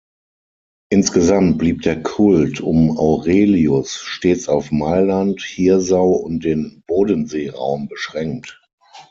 Insgesamt blieb der Kult um Aurelius stets auf Mailand, Hirsau und den Bodenseeraum beschränkt.